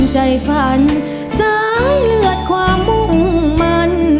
ใจฝันสายเลือดความมุ่งมัน